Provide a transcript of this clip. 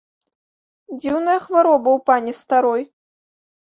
Дзіўная хвароба ў пані старой.